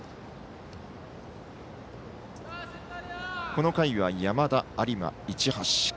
この回は山田、有馬、市橋。